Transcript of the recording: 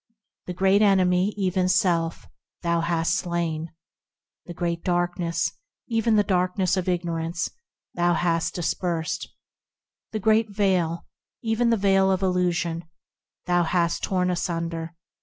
The Great Enemy, even self, thou hast slain; The Great Darkness, even the darkness of ignorance, thou hast dispersed ; The Great Veil, even the veil of illusion, thou hast torn asunder.